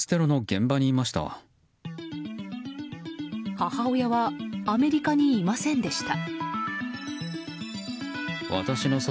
母親はアメリカにいませんでした。